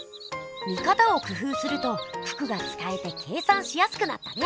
見かたをくふうすると九九がつかえて計算しやすくなったね！